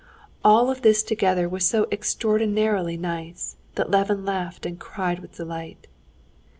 All of this together was so extraordinarily nice that Levin laughed and cried with delight.